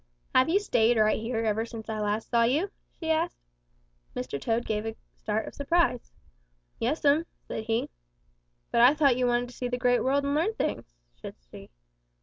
"'Have you stayed right here ever since I last saw you?' she asked. "Mr. Toad gave a start of surprise. 'Yes'm,' said he. "'But I thought you wanted to see the Great World and learn things,' said she.